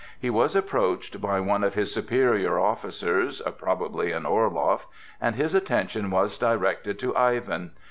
He was approached by one of his superior officers (probably an Orloff) and his attention was directed to Ivan.